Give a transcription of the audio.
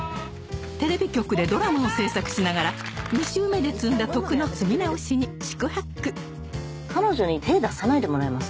テレビ局でドラマを制作しながら２周目で積んだ徳の積み直しに四苦八苦彼女に手出さないでもらえます？